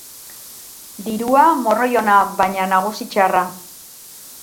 Dirua morroi ona, baina nagusi txarra.